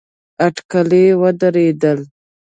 اټکلي ودرېدل.